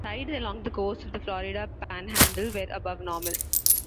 Tides along the coast of the Florida Panhandle were above normal.